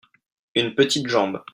une petite jambe.